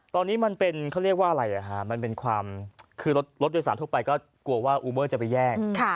ตอนนี้มันเป็นเขาเรียกว่าอะไรมันเป็นความคือรถโดยสารทั่วไปก็กลัวว่าอูเบอร์จะไปแยก